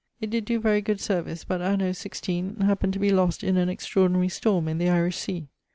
It did doe very good service, but anno 16 happned to be lost in an extraordinary storme in the Irish sea.